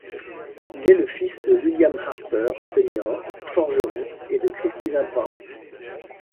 Il est le fils de William Harper Senior, forgeron, et de Christina Brown.